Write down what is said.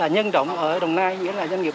nhân động ở đồng nai nghĩa là doanh nghiệp